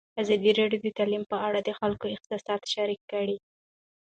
ازادي راډیو د تعلیم په اړه د خلکو احساسات شریک کړي.